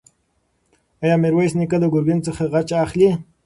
ایا میرویس نیکه له ګرګین څخه غچ اخلي؟